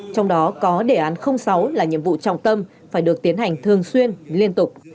trong đó có đề án sáu là nhiệm vụ trọng tâm phải được tiến hành thường xuyên liên tục